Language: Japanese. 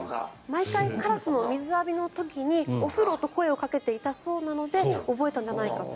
毎回カラスの水浴びの時にお風呂と声をかけていたので覚えたんじゃないかと。